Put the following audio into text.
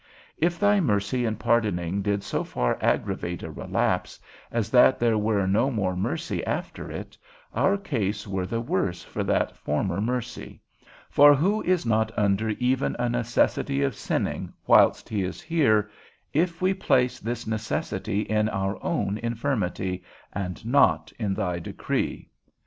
If thy mercy in pardoning did so far aggravate a relapse, as that there were no more mercy after it, our case were the worse for that former mercy; for who is not under even a necessity of sinning whilst he is here, if we place this necessity in our own infirmity, and not in thy decree?